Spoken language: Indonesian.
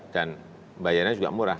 dan bayarnya juga murah